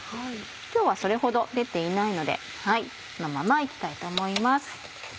今日はそれほど出ていないのでそのまま行きたいと思います。